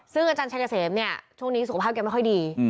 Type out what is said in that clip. ซึ่งอาจารย์ชัยเสมเนี่ยช่วงนี้สุขภาพแกไม่ค่อยดี